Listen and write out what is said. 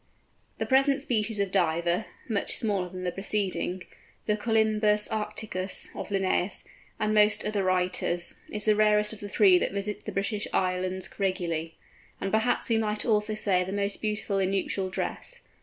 The present species of Diver (much smaller than the preceding), the Colymbus arcticus of Linnæus and most other writers, is the rarest of the three that visit the British Islands regularly, and perhaps we might also say the most beautiful in nuptial dress.